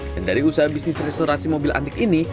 dan dari usaha bisnis restorasi mobil antik ini